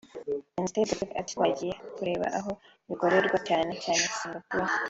Minisitiri Gatete ati “Twagiye kureba aho bikorerwa cyane cyane Singapore